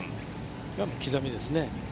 これは刻みですね。